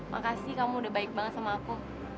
makasih kamu udah baik banget sama aku